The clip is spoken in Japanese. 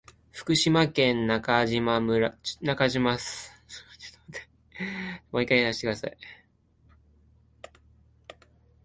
福島県中島村